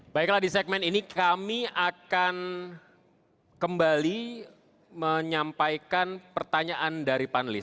baiklah di segmen ini kami akan kembali menyampaikan pertanyaan dari panelis